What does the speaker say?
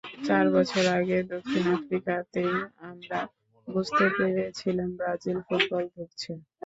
চার বছর আগে দক্ষিণ আফ্রিকাতেই আমরা বুঝতে পেরেছিলাম ব্রাজিল ফুটবল ধুঁকছে।